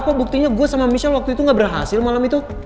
kok buktinya gue sama michelle waktu itu gak berhasil malam itu